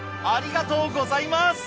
ありがとうございます。